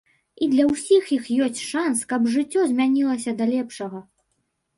І для ўсіх іх ёсць шанс, каб жыццё змянілася да лепшага.